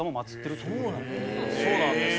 そうなんです。